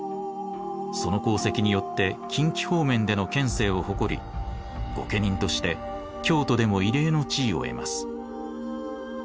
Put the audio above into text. その功績によって近畿方面での権勢を誇り御家人として京都でも異例の地位を得ます。